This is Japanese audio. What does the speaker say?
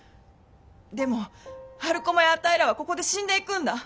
でも春駒やあたいらはここで死んでいくんだ！